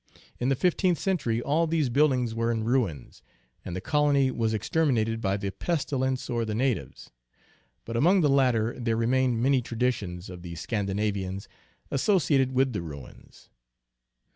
In the fifteenth century all these buildings were in ruins, and the col ony was exterminated by the pestilence or the natives. But among the latter there remained many traditions of the Scandinavians associated with the ruins.